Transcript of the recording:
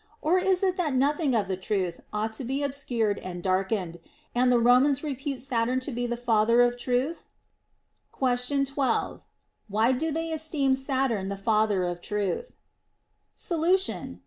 Or is it that nothing of the truth ought to be obscure and darkened, and the Romans repute Saturn to be the father of truth ] Question 1 2. Why do they esteem Saturn the father of truth % Solution.